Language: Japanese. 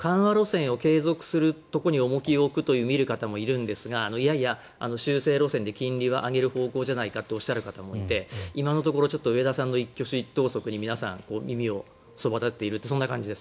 緩和路線を継続するところに重きを置くと見る方もいるんですが、修正路線で金利は上げるのではという方もいて今のところ植田さんの一挙手一投足に耳をそばだてているそんな感じです。